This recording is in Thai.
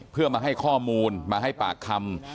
เพื่อมาให้ข้อมูลมาให้ปากคำ